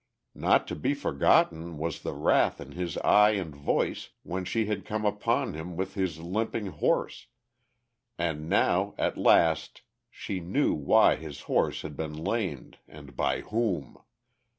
Not to be forgotten was the wrath in his eye and voice when she had come upon him with his limping horse, and now, at last she knew why his horse had been lamed and by whom!